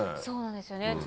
そうなんですよね。